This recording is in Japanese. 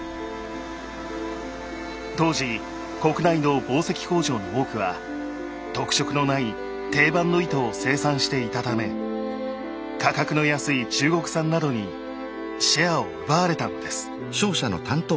当時国内の紡績工場の多くは特色のない定番の糸を生産していたため価格の安い中国産などにシェアを奪われたのです。